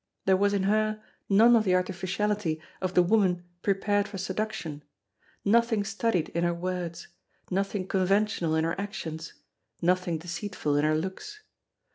There was in her none of the artificiality of the woman prepared for seduction, nothing studied in her words, nothing conventional in her actions, nothing deceitful in her looks.